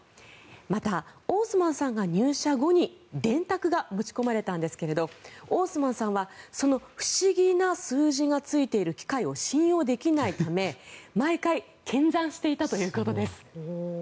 また、オースマンさんが入社後に電卓が持ち込まれたんですけどオースマンさんはその不思議な数字がついている機械を信用できないため毎回検算していたということです。